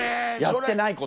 やってないこと。